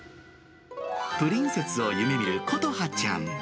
プリンセスを夢みることはちゃん。